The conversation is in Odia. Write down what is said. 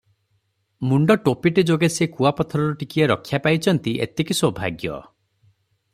ମୁଣ୍ଡ ଟୋପିଟି ଯୋଗେ ଯେ ସେ କୁଆପଥରରୁ ଟିକିଏ ରକ୍ଷା ପାଇଚନ୍ତି ଏତିକି ସୌଭାଗ୍ୟ!